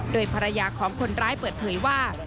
โดยภรรยาของคนร้ายเปิดเผยว่า